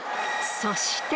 そして。